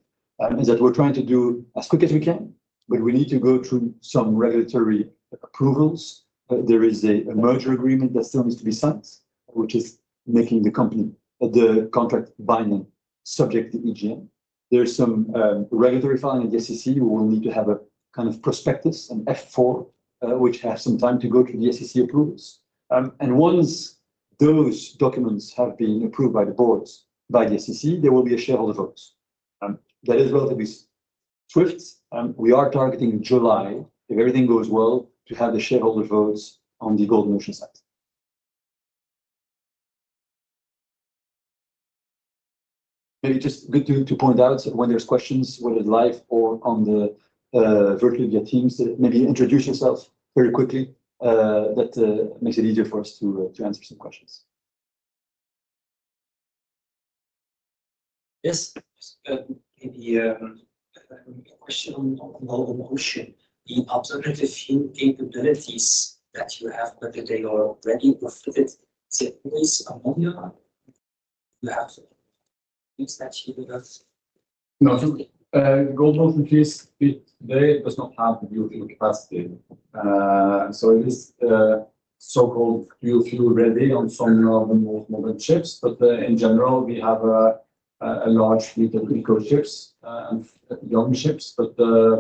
is that we're trying to do as quick as we can, but we need to go through some regulatory approvals. There is a merger agreement that still needs to be signed, which is making the contract binding subject to EGM. There's some regulatory filing at the SEC. We will need to have a kind of prospectus, an F-4, which has some time to go through the SEC approvals. Once those documents have been approved by the boards, by the SEC, there will be a shareholder vote. That is relatively swift. We are targeting July, if everything goes well, to have the shareholder votes on the Golden Ocean side. Maybe just good to point out when there's questions, whether live or on the virtual via Teams, maybe introduce yourself very quickly. That makes it easier for us to answer some questions. Yes. Maybe a question on Golden Ocean. The alternative fuel capabilities that you have, whether they are ready or fitted, is it always ammonia? Do you have that here with us? No, Golden Ocean fleet today does not have the fuel capacity. So it is so-called dual-fuel ready on some of the most modern ships, but in general, we have a large fleet of Eco ships and young ships, but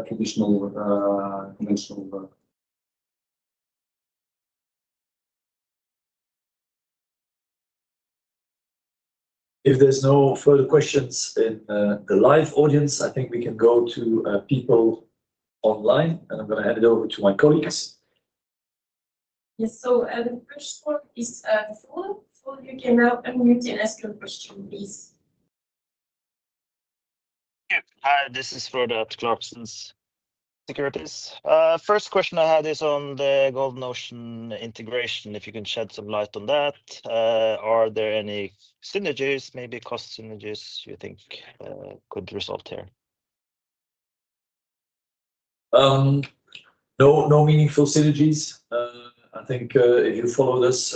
traditional conventional. If there's no further questions in the live audience, I think we can go to people online, and I'm going to hand it over to my colleagues. Yes. The first one is Frode. Frode, you can now unmute and ask your question, please. Hi, this is Frodo at Clarksons Securities. First question I had is on the Golden Ocean integration. If you can shed some light on that, are there any synergies, maybe cost synergies, you think could result here? No meaningful synergies. I think if you follow this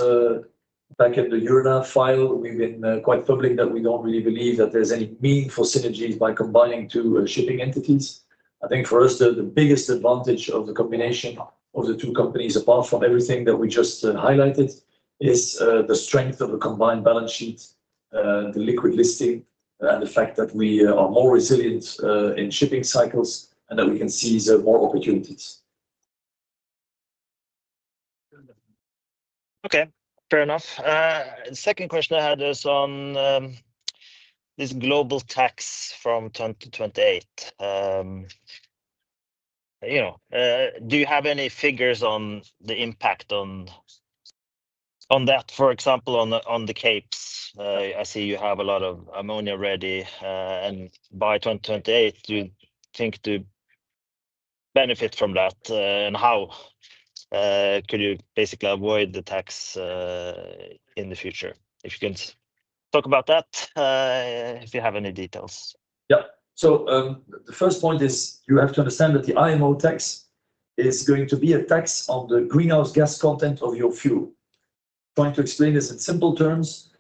back at the Euronav file, we've been quite public that we don't really believe that there's any meaningful synergies by combining two shipping entities. I think for us, the biggest advantage of the combination of the two companies, apart from everything that we just highlighted, is the strength of the combined balance sheet, the liquid listing, and the fact that we are more resilient in shipping cycles and that we can see more opportunities. Okay, fair enough. The second question I had is on this global tax from 2028. Do you have any figures on the impact on that? For example, on the Capes, I see you have a lot of ammonia ready, and by 2028, do you think to benefit from that? How could you basically avoid the tax in the future? If you can talk about that, if you have any details. Yeah. The first point is you have to understand that the IMO tax is going to be a tax on the greenhouse gas content of your fuel. Trying to explain this in simple terms,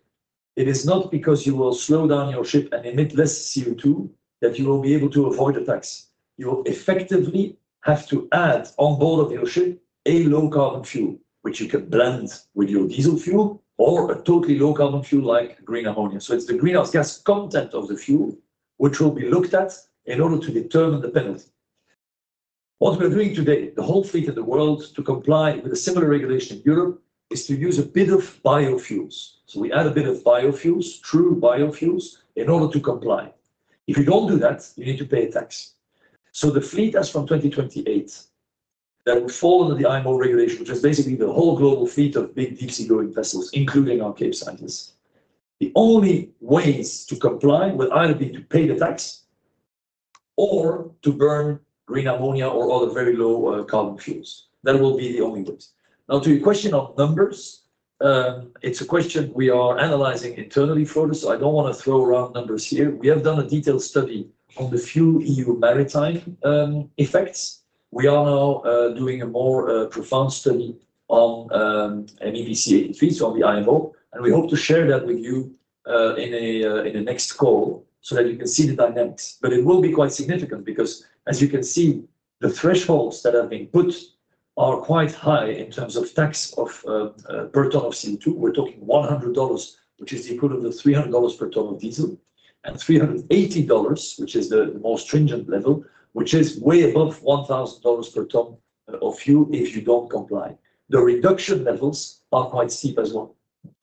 it is not because you will slow down your ship and emit less CO2 that you will be able to avoid a tax. You will effectively have to add on board of your ship a low-carbon fuel, which you can blend with your diesel fuel or a totally low-carbon fuel like green ammonia. It is the greenhouse gas content of the fuel which will be looked at in order to determine the penalty. What we are doing today, the whole fleet in the world to comply with a similar regulation in Europe is to use a bit of biofuels. We add a bit of biofuels, true biofuels, in order to comply. If you do not do that, you need to pay a tax. The fleet as from 2028 that will fall under the IMO regulation, which is basically the whole global fleet of big deep-sea going vessels, including our Capesize vessels. The only ways to comply will either be to pay the tax or to burn green ammonia or other very low-carbon fuels. That will be the only ways. Now, to your question on numbers, it is a question we are analyzing internally, Frodo, so I do not want to throw around numbers here. We have done a detailed study on the fuelEU maritime effects. We are now doing a more profound study on MEPC fees, on the IMO, and we hope to share that with you in a next call so that you can see the dynamics. It will be quite significant because, as you can see, the thresholds that have been put are quite high in terms of tax of per ton of CO2. We're talking $100, which is the equivalent of $300 per ton of diesel, and $380, which is the most stringent level, which is way above $1,000 per ton of fuel if you don't comply. The reduction levels are quite steep as well.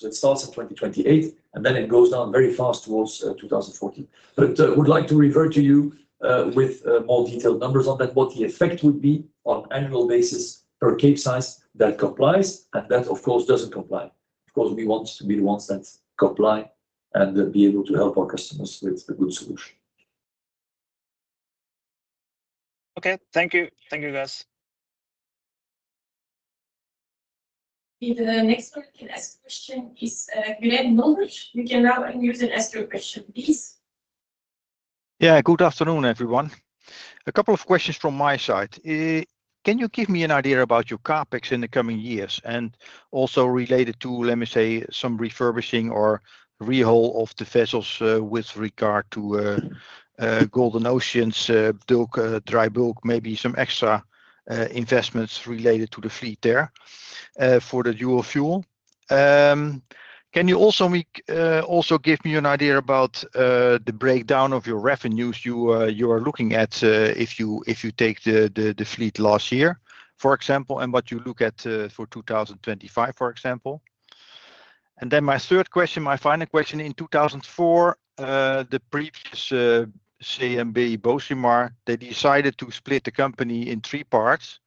It starts in 2028, and then it goes down very fast towards 2040. I would like to revert to you with more detailed numbers on that, what the effect would be on an annual basis per Capesize that complies and that, of course, does not comply. Of course, we want to be the ones that comply and be able to help our customers with a good solution. Okay, thank you. Thank you, guys. The next one who can ask a question is Uncertain. You can now use and ask your question, please. Yeah, good afternoon, everyone. A couple of questions from my side. Can you give me an idea about your CapEx in the coming years? And also related to, let me say, some refurbishing or rehaul of the vessels with regard to Golden Ocean's dry bulk, maybe some extra investments related to the fleet there for the dual fuel. Can you also give me an idea about the breakdown of your revenues you are looking at if you take the fleet last year, for example, and what you look at for 2025, for example? And then my third question, my final question. In 2004, the previous CMB Bocimar, they decided to split the company in three parts: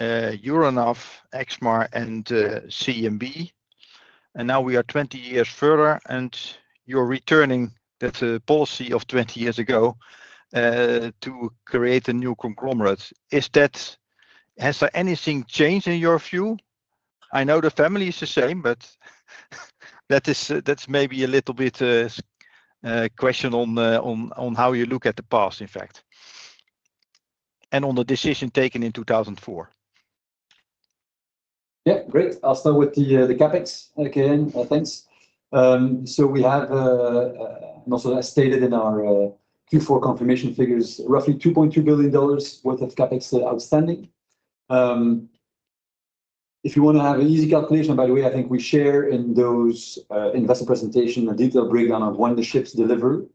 Euronav, Exmar, and CMB. And now we are 20 years further, and you're returning that policy of 20 years ago to create a new conglomerate. Has anything changed in your view? I know the family is the same, but that's maybe a little bit question on how you look at the past, in fact, and on the decision taken in 2004. Yeah, great. I'll start with the CapEx again. Thanks. So we have, and also as stated in our Q4 confirmation figures, roughly $2.2 billion worth of CapEx outstanding. If you want to have an easy calculation, by the way, I think we share in those investor presentations a detailed breakdown of when the ships deliver.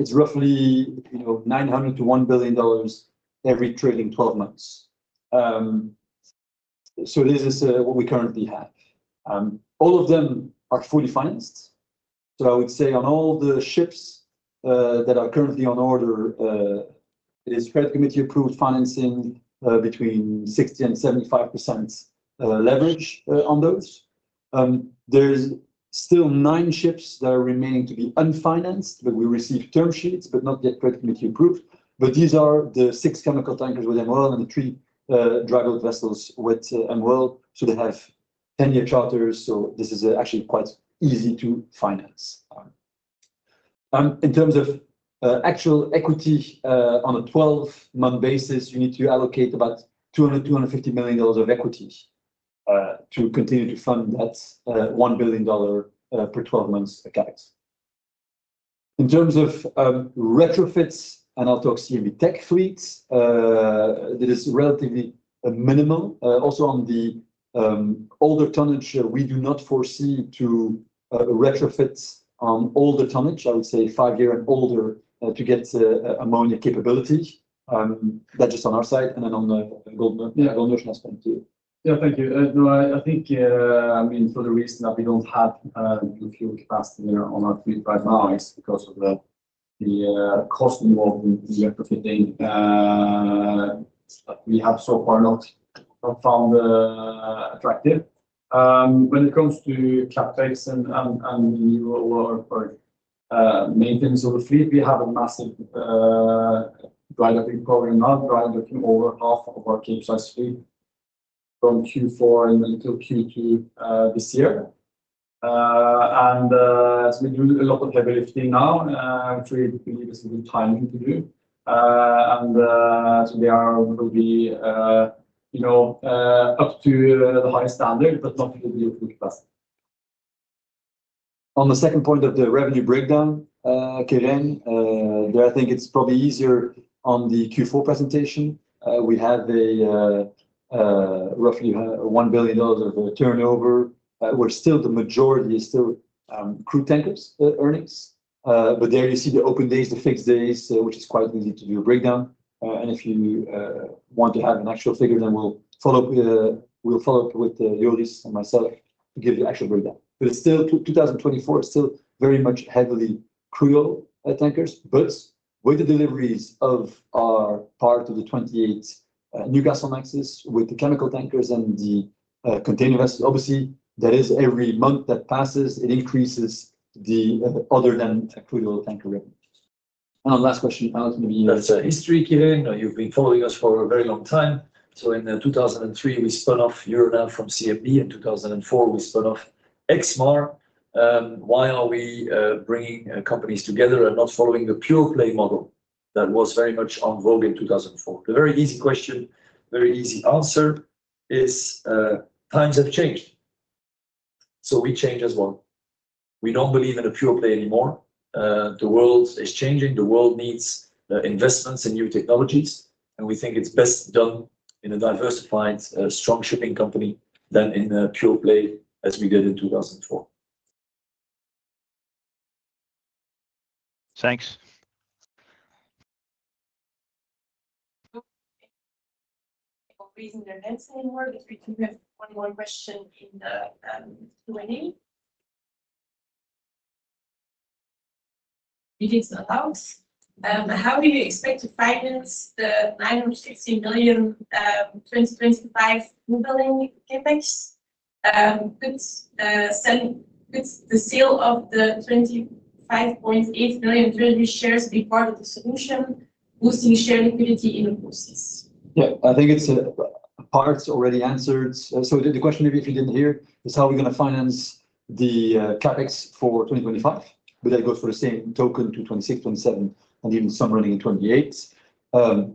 It's roughly $900 million to $1 billion every trading 12 months. This is what we currently have. All of them are fully financed. I would say on all the ships that are currently on order, it is credit committee-approved financing between 60%-75% leverage on those. There are still nine ships that are remaining to be unfinanced, but we received term sheets, not yet credit committee-approved. These are the six chemical tankers with MOL and the three dry bulk vessels with MOL. They have 10-year charters, so this is actually quite easy to finance. In terms of actual equity on a 12-month basis, you need to allocate about $200 million-$250 million of equity to continue to fund that $1 billion per 12 months of CapEx. In terms of retrofits, and I'll talk CMB.TECH fleets, that is relatively minimal. Also on the older tonnage, we do not foresee to retrofit on older tonnage. I would say five-year and older to get ammonia capability. That's just on our side, and then on the Golden Ocean aspect, too. Yeah, thank you. No, I think, I mean, for the reason that we don't have the fuel capacity on our fleet right now, it's because of the cost involved in the retrofitting that we have so far not found attractive. When it comes to CapEx and renewal or maintenance of the fleet, we have a massive dry docking program now, dry docking over half of our Capesize fleet from Q4 and until Q2 this year. We do a lot of heavy lifting now, which we believe is good timing to do. They are going to be up to the highest standard, but not fully fully capacity. On the second point of the revenue breakdown, Gurend, I think it is probably easier on the Q4 presentation. We have roughly $1 billion of turnover, where still the majority is still crude tankers earnings. There you see the open days, the fixed days, which is quite easy to do a breakdown. If you want to have an actual figure, then we will follow up with Joris and myself to give the actual breakdown. Still, 2024 is still very much heavily crude oil tankers, but with the deliveries of our part of the 28 new gas on Newcastlemaxes with the chemical tankers and the container vessels, obviously, that is every month that passes, it increases the other than crude oil tanker revenue. Last question, Alex, maybe you know. That's history, Gurend. You've been following us for a very long time. In 2003, we spun off Euronav from CMB. In 2004, we spun off Exmar. Why are we bringing companies together and not following the pure play model that was very much on vogue in 2004? The very easy question, very easy answer is times have changed. We change as well. We don't believe in a pure play anymore. The world is changing. The world needs investments in new technologies, and we think it's best done in a diversified, strong shipping company than in a pure play as we did in 2004. Thanks. Okay. No reason to announce anymore, but we do have one more question in the Q&A. It is not out. How do you expect to finance the $960 million 2025 new building CapEx? Could the sale of the $25.8 million treasury shares be part of the solution, boosting share liquidity in the process? Yeah, I think part's already answered. So the question maybe if you didn't hear is how are we going to finance the CapEx for 2025? That goes for the same token to 2026, 2027, and even some running in 2028.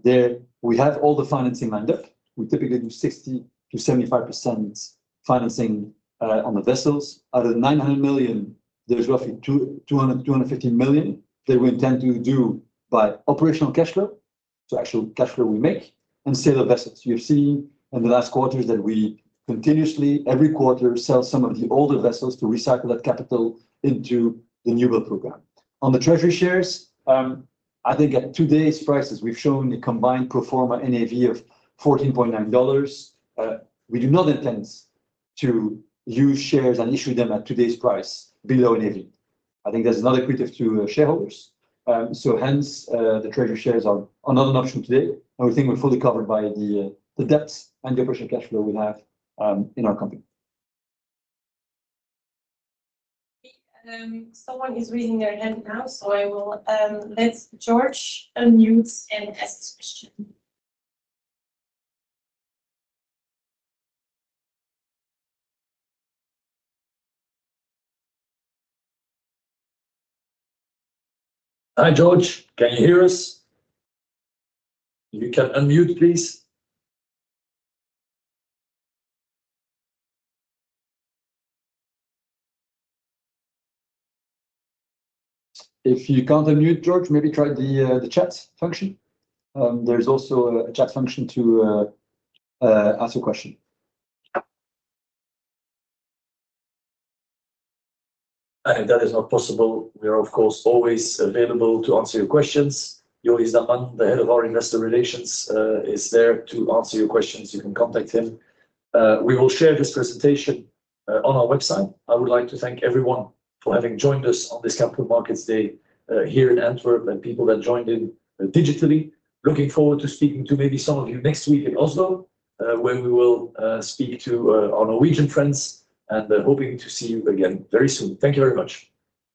There we have all the financing lined up. We typically do 60-75% financing on the vessels. Out of the $900 million, there's roughly $200-$250 million that we intend to do by operational cash flow, so actual cash flow we make, and sale of vessels. You've seen in the last quarters that we continuously, every quarter, sell some of the older vessels to recycle that capital into the new build program. On the treasury shares, I think at today's prices, we've shown a combined proforma NAV of $14.9. We do not intend to use shares and issue them at today's price below NAV. I think that's not equitative to shareholders. Hence, the treasury shares are not an option today. We think we're fully covered by the debts and the operational cash flow we have in our company. Someone is raising their hand now, so I will let George unmute and ask this question. Hi, George. Can you hear us? If you can unmute, please. If you can't unmute, George, maybe try the chat function. There's also a chat function to ask a question. I think that is not possible. We are, of course, always available to answer your questions. Joris Dahan, the head of our investor relations, is there to answer your questions. You can contact him. We will share this presentation on our website. I would like to thank everyone for having joined us on this Capital Markets Day here in Antwerp and people that joined in digitally. Looking forward to speaking to maybe some of you next week in Oslo, where we will speak to our Norwegian friends and hoping to see you again very soon. Thank you very much.